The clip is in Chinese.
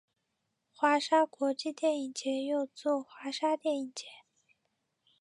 华沙国际电影节又作华沙电影节。